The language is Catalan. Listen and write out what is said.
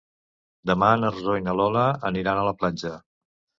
Demà na Rosó i na Lola aniran a la platja.